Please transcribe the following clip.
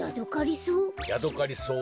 ヤドカリソウ？